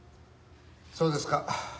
そうですか。